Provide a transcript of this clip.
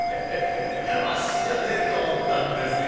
あっしじゃねえと思ったんですよ。